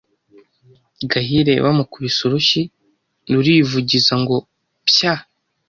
Gahire bamukubise urushyi rurivugiza ngo: « Pya!»